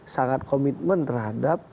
sangat komitmen terhadap